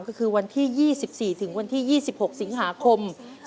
ก็คือวันที่๒๔๒๖สิงหาคม